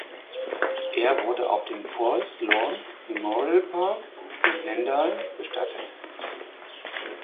Er wurde auf dem Forest Lawn Memorial Park in Glendale bestattet.